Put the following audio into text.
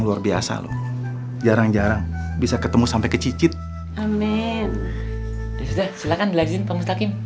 makasih pak mustahakim